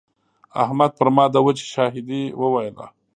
احمد پر ما د وچې شاهدي وويله.